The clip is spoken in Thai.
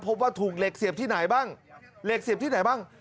พบว่าถูกเหล็กเสียบที่ไหนบ้าง